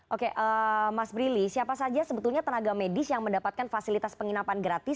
oke mas brili siapa saja sebetulnya tenaga medis yang mendapatkan fasilitas penginapan gratis